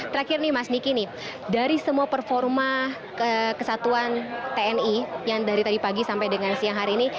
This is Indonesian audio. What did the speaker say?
terakhir nih mas diki nih dari semua performa kesatuan tni yang dari tadi pagi sampai dengan siang hari ini